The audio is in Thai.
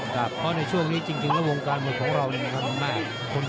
เพราะในช่วงนี้จริงแล้ววงการบทของเราคนอยู่นี่น้อยหายไปเยอะนะ